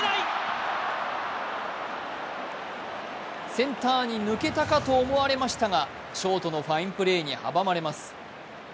センターに抜けたかと思われましたがショートのファインプレーに阻まれます。